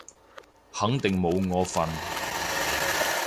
肯定冇我份